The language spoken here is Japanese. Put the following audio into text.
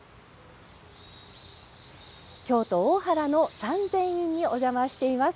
京都・大原の三千院にお邪魔しています。